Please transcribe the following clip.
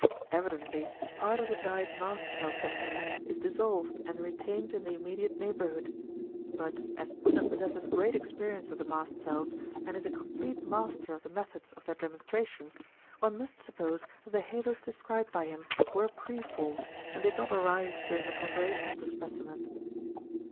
Evidently part of the dyed mast cell substance is dissolved and retained in the immediate neighbourhood. But as Unna possesses great experience of the mast cells and is a complete master of the methods of their demonstration, one must suppose that the halos described by him were preformed, and did not arise during the preparation of the specimen.